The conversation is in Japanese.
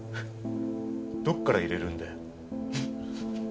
どっから入れるんだよ。